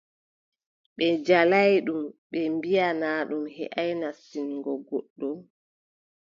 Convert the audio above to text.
Ɓe njaalaay ɗum ɓe mbiʼa naa ɗum heʼaay nastingo goɗɗo.